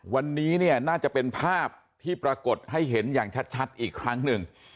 วันนี้เนี่ยน่าจะเป็นภาพที่ปรากฏให้เห็นอย่างชัดอีกครั้งหนึ่ง